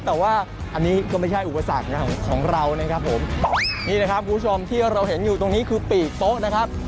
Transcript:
แต่ว่าอันนี้ก็ไม่ใช่อุปสรรคของเรานะครับผมนี่นะครับคุณผู้ชมที่เราเห็นอยู่ตรงนี้คือปีกโต๊ะนะครับ